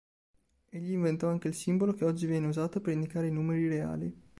Egli inventò anche il simbolo che oggi viene usato per indicare i numeri reali.